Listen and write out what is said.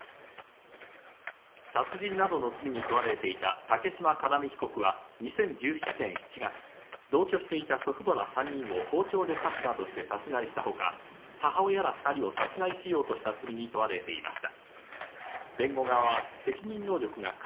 殺人などの罪に問われていた竹島叶実被告は２０１７年７月、同居していた祖父母ら３人を包丁で刺すなどして殺害したほか、母親ら２人を殺害しようとした罪に問われていました。